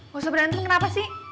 bosen berantem kenapa sih